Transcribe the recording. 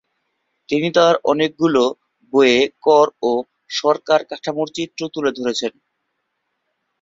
তিনি তার অনেকগুলো বইয়ে কর ও সরকার কাঠামোর চিত্র তুলে ধরেছেন।